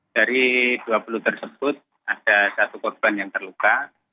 dari dua puluh tersebut ada satu korban yang terluka